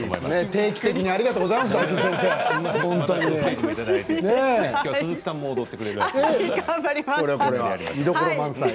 定期的にありがとうございます大吉先生。